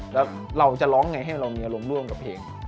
แล้วเราจะร้องไงให้เรามีอารมณ์ร่วมกับเพลง